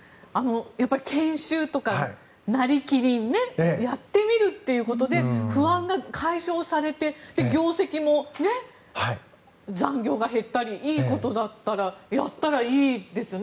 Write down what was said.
研修とか、なりキリンやってみるっていうことで不安が解消されて業績も、残業が減ったりいいことだったらやったらいいですね。